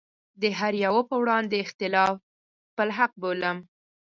د هره يوه په وړاندې اختلاف خپل حق بولم.